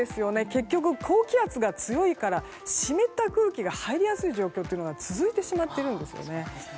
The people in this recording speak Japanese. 結局、高気圧が強いから湿った空気が入りやすい状況が続いてしまっているんですよね。